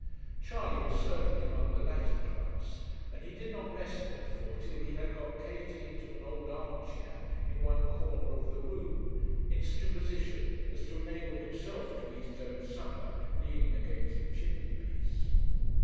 Charley was certainly among the latter class, and he did not rest therefore till he had got Katie into an old arm chair in one corner of the room, in such a position as to enable himself to eat his own supper leaning against the chimney piece.